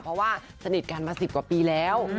เพราะว่าสนิทกันมา๑๐กว่าปีแล้ว